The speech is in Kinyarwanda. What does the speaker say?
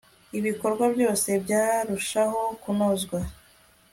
ibikorwa byose byarushaho kunozwa